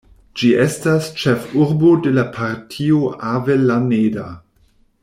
Ĝi estas ĉefurbo de la Partio Avellaneda.